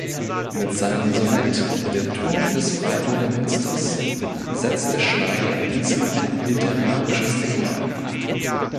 Mit seinem Sonett "Der Turm des Freiburger Münsters" setzte Schneider diesem ein literarisches Denkmal.